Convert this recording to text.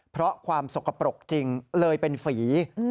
เพราะความสกปรกจริงเลยเป็นฝี